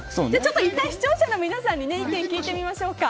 いったん、視聴者の皆さんに意見を聞いてみましょうか。